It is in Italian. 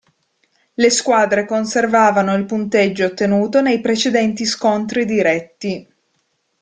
Le squadre conservavano il punteggio ottenuto nei precedenti scontri diretti.